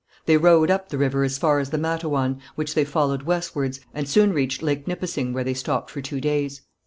They rowed up the river as far as the Mattawan, which they followed westwards, and soon reached Lake Nipissing where they stopped for two days.